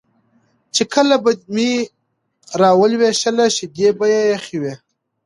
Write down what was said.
چې کله به مې راولوشله شیدې به یې یخې وې